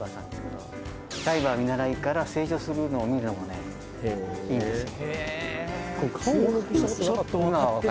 ダイバー見習いから成長するのを見るのもねいいんですよ